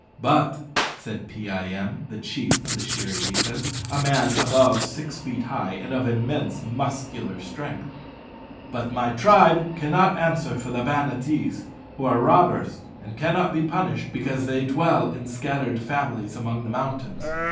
"But," said Pee eye em, the chief of the Shirry dikas, a man above six feet high, and of immense muscular strength "but my tribe cannot answer for the Banattees, who are robbers, and cannot be punished, because they dwell in scattered families among the mountains.